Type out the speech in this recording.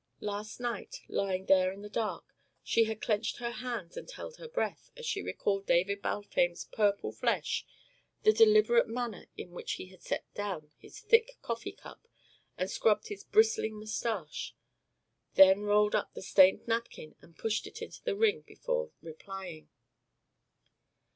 Last night, lying there in the dark, she had clenched her hands and held her breath as she recalled David Balfame's purple flush, the deliberate manner in which he had set down his thick coffee cup and scrubbed his bristling moustache, then rolled up the stained napkin and pushed it into the ring before replying.